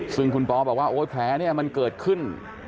ซึ่งคุณป๊อบบอกว่าแผลมันเกิดขึ้น